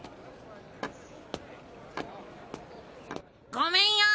ごめんよ！